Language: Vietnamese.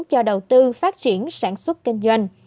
cho đầu tư phát triển sản xuất kinh doanh